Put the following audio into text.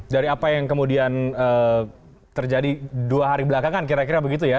dari apa yang kemudian terjadi dua hari belakangan kira kira begitu ya